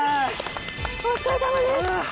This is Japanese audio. お疲れさまです。